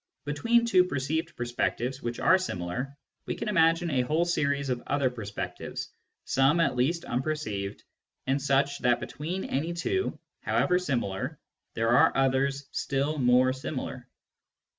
Between two perceived per spectives which are similar, we can imagine a whole series of other perspectives, some at least unperceived, and such that between any two, however similar, there are others still more similar.